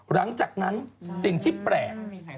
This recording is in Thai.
หลังจากนั้นสิ่งที่แปลก